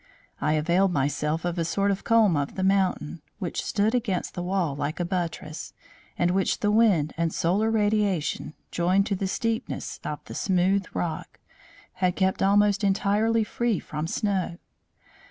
I availed myself of a sort of comb of the mountain, which stood against the wall like a buttress, and which the wind and solar radiation, joined to the steepness of the smooth rock, had kept almost entirely free from snow.